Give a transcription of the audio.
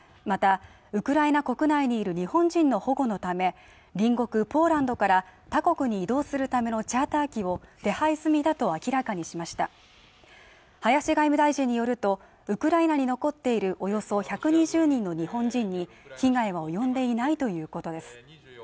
またウクライナ国内にいる日本人の保護のため隣国ポーランドから他国に移動するためのチャーター機を手配済みだと明らかにしました林外務大臣によるとウクライナに残っているおよそ１２０人の日本人に被害は及んでいないということです